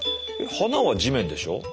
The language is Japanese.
花は地面でしょ？